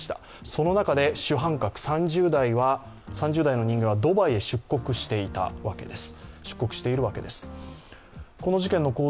その中で主犯格、３０代の人間はドバイに出国しているわけです。